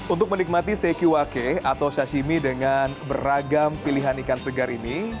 untuk menikmati seki wake atau sashimi dengan beragam pilihan ikan segar ini